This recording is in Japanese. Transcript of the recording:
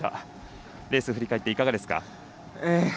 レース振り返っていかがですか？